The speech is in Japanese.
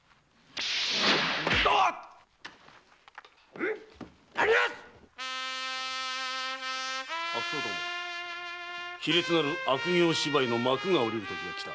うぬ何奴⁉悪党ども卑劣なる悪行芝居の幕が下りるときがきた。